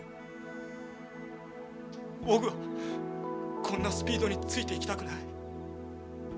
僕はこんなスピードについていきたくない。